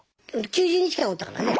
９０日間おったからね。